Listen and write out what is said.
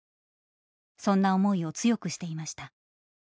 そんな思いを強くしていました。